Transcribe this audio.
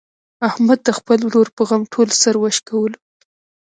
احمد د خپل ورور په غم ټول سر و شکولو.